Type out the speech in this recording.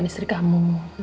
andinkan istri kamu